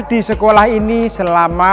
di sekolah ini selama